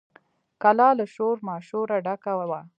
کلا له شور ماشوره ډکه وه.